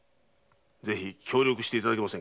ぜひ協力していただけませんか？